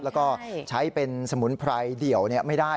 แล้วก็ใช้เป็นสมุนไพรเดี่ยวไม่ได้